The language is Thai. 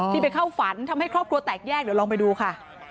ไปเข้าฝันทำให้ครอบครัวแตกแยกเดี๋ยวลองไปดูค่ะ